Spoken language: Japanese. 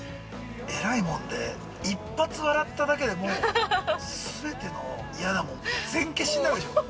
◆えらいもんで一発笑っただけで、もう全ての嫌なもの全消しになるでしょ。